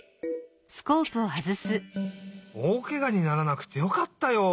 おおけがにならなくてよかったよ。